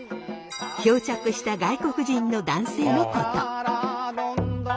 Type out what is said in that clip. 漂着した外国人の男性のこと。